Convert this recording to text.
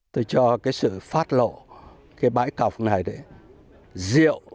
tôi cho sự phát lộ bãi cọc này rượu